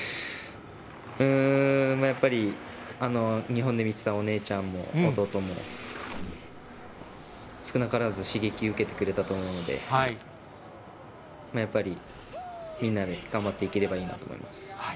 やっぱり、日本で見てたお姉ちゃんも、弟も、少なからず刺激受けてくれたと思うので、やっぱり、みんなで頑張っていければいいなと思います。